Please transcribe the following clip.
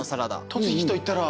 栃木といったら。